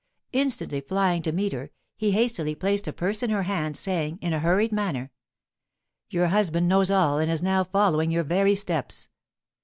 Instantly flying to meet her, he hastily placed a purse in her hand, saying, in a hurried manner: "Your husband knows all, and is now following your very steps."